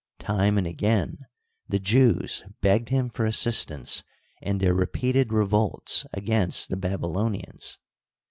Time and again the Jews begged him for assistance in their repeated revolts against the Babylonians.